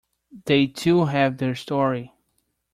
They too have their story.